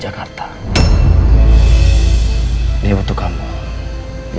dia harus sembuh